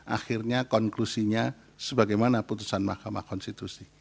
akhirnya konklusinya sebagaimana putusan mahkamah konstitusi